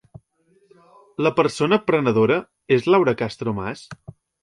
La persona prenedora és Laura Castro Mas?